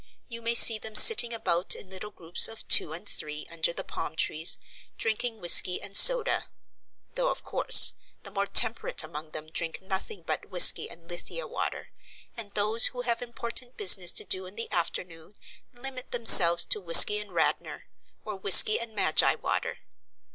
You may see them sitting about in little groups of two and three under the palm trees drinking whiskey and soda; though of course the more temperate among them drink nothing but whiskey and Lithia water, and those who have important business to do in the afternoon limit themselves to whiskey and Radnor, or whiskey and Magi water.